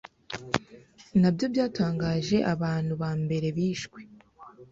nabyo byatangaje abantu ba mbere bishwe